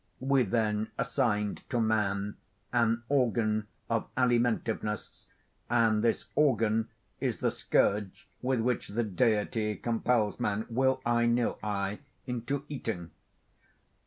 We then assigned to man an organ of alimentiveness, and this organ is the scourge with which the Deity compels man, will I nill I, into eating.